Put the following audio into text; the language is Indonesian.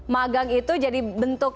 magang itu jadi bentuk